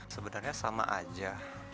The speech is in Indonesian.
sebenarnya sama aja